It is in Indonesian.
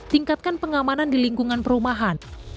tingkatkan pengamanan di lingkungan perumahan